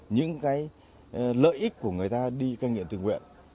những cái lợi ích của người ta đi cai nghiện tự nguyện